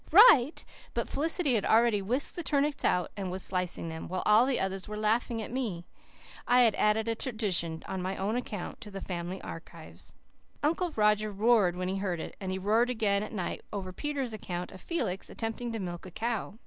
"Right!" but Felicity had already whisked the turnips out, and was slicing them, while all the others were laughing at me. I had added a tradition on my own account to the family archives. Uncle Roger roared when he heard it; and he roared again at night over Peter's account of Felix attempting to milk a cow.